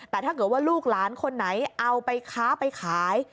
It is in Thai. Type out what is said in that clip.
แต่ถ้าเกิดว่าลูกหลานคนไหนเอาไปค้าไปขาย